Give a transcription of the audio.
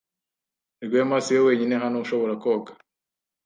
Rwema siwe wenyine hano ushobora koga.